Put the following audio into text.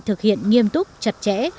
thực hiện nghiêm túc chặt chẽ